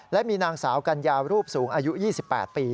และมีนางสาวกัญญารูปสูงอายุ๒๘ปี